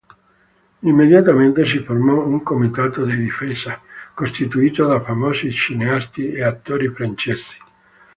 Immediatamente si formò un comitato di difesa, costituito da famosi cineasti e attori francesi.